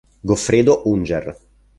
Goffredo Unger